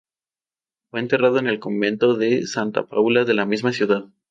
Fue enterrado en el convento de Santa Paula de la misma ciudad.